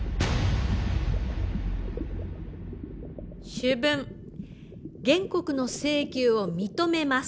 主文原告の請求を認めます。